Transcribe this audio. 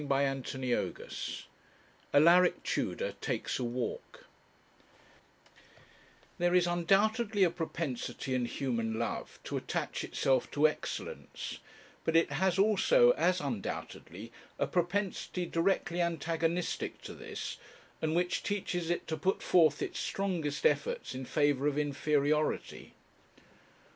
CHAPTER XXXVIII ALARIC TUDOR TAKES A WALK There is, undoubtedly, a propensity in human love to attach itself to excellence; but it has also, as undoubtedly, a propensity directly antagonistic to this, and which teaches it to put forth its strongest efforts in favour of inferiority.